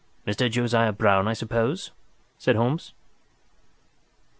"Mr. Josiah Brown, I suppose?" said Holmes.